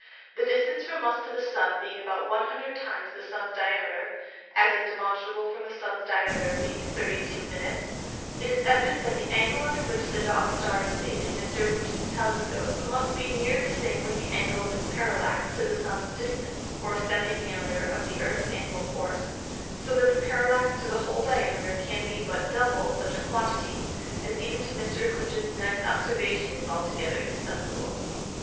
The Distance from us to the Sun being about 100 times the Sun's Diameter (as is demonstrable from the Sun's Diameter being 32 Minutes) it is evident, that the Angle under which the Dog Star is seen in Mr. Hugens's Telescope, must be near the same with the Angle of its Parallax to the Sun's Distance, or Semi diameter of the Earth's Annual Course; so that the Parallax to the whole Diameter, can be but double such a quantity, as even to Mr. Hugens's nice Observation is altogether insensible.